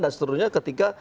dan seterusnya ketika